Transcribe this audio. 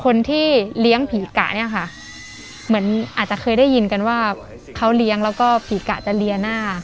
คนที่เลี้ยงผีกะเนี่ยค่ะเหมือนอาจจะเคยได้ยินกันว่าเขาเลี้ยงแล้วก็ผีกะจะเรียหน้า